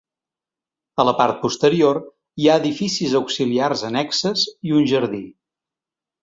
A la part posterior hi ha edificis auxiliars annexes i un jardí.